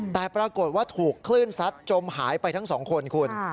แต่ปรากฏว่าถูกคลื่นซัดจมหายไปทั้งสองคนคุณ